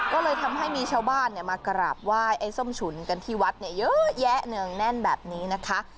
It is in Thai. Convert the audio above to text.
ก็เลยทำให้มีชาวบ้านมากราบไหว้ไอ้ส้มฉุนกันที่วัดเนี่ยเยอะแยะเนืองแน่นแบบนี้นะคะ